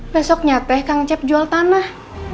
besoknya teh kang cep jual tanah